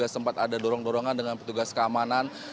sempat ada dorong dorongan dengan petugas keamanan